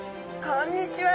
こんにちは。